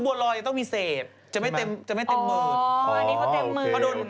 อ๋อประเด็นประเทศเต็มมือ